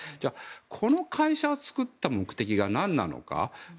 この会社を作った目的が何なのか。